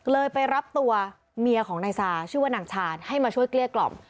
ไปรับตัวเมียของนายซาชื่อว่านางชาญให้มาช่วยเกลี้ยกล่อม